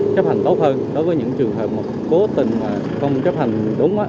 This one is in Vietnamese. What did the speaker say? chấp hành tốt hơn đối với những trường hợp mà cố tình không chấp hành đúng